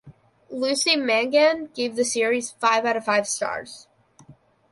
Lucy Mangan gave the series five out of five stars.